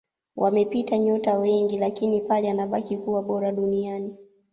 wamepita nyota wengi lakini pele anabakia kuwa bora duniani